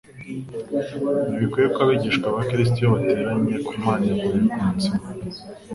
Ntibikwiriye ko abigishwa ba Kristo iyo bateraniye kumanyagurirwa umutsima,